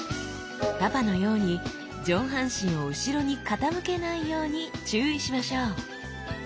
パパのように上半身を後ろに傾けないように注意しましょう。